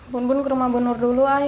bun bun ke rumah bunur dulu ay